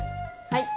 はい。